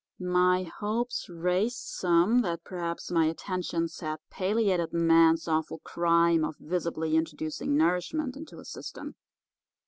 My hopes raised some that perhaps my attentions had palliated man's awful crime of visibly introducing nourishment into his system.